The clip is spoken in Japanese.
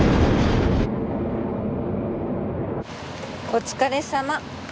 お疲れさま。